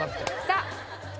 さあ。